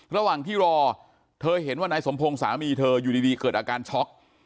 ระหว่างที่รอเธอเห็นว่านายสมพงศ์สามีเธออยู่ดีเกิดอาการช็อก